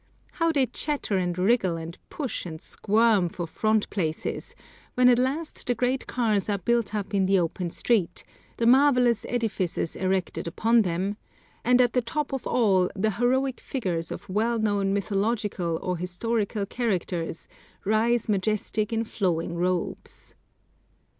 How they chatter and wriggle and push and squirm for front places, when at last the great cars are built up in the open street, the marvelous edifices erected upon them, and at the top of all the heroic figures of well known mythological or historical characters rise majestic in flowing robes!